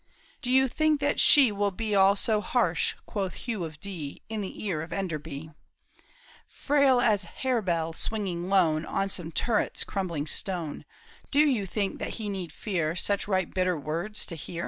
''Do you think that she will be All so harsh ?" quoth Hugh of Dee In the ear of Enderby. " Frail as harebell swinging 'lone On some turret's crumbling stone — THE TOWER OF BO UV ERIE. iq Do you think that he need fear ^ Such right bitter words to hear